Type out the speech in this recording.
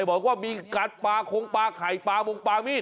บอกว่ามีการปลาคงปลาไข่ปลามงปลามีด